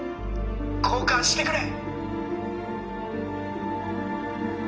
交換してくれ！